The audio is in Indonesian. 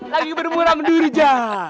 lagi kebunan duri aja